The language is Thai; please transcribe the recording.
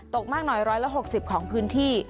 มากหน่อย๑๖๐ของพื้นที่